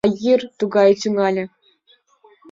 А йӱр тугай тӱҥале...